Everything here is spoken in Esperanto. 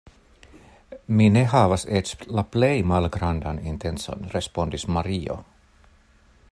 Mi ne havas eĉ la plej malgrandan intencon, respondis Mario.